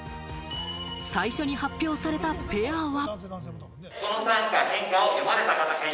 最初に発表されたペアは。